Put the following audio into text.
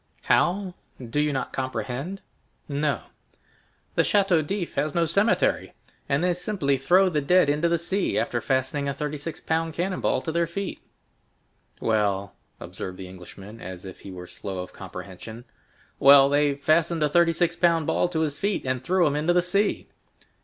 "How? Do you not comprehend?" "No." "The Château d'If has no cemetery, and they simply throw the dead into the sea, after fastening a thirty six pound cannon ball to their feet." "Well?" observed the Englishman as if he were slow of comprehension. "Well, they fastened a thirty six pound ball to his feet, and threw him into the sea."